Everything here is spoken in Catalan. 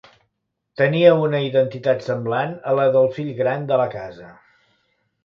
Teníeu una identitat semblant a la del fill gran de la casa.